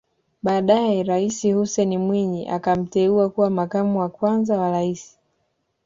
Baadae Rais Hussein Mwinyi akamteua kuwa makamu wa kwanza wa Rais